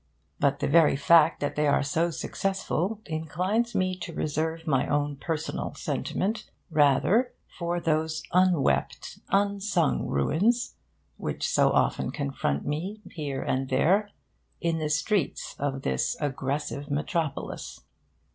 But the very fact that they are so successful inclines me to reserve my own personal sentiment rather for those unwept, unsung ruins which so often confront me, here and there, in the streets of this aggressive metropolis.